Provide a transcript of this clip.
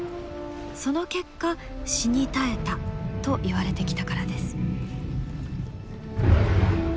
その結果死に絶えたといわれてきたからです。